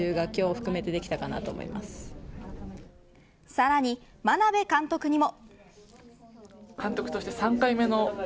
さらに眞鍋監督にも。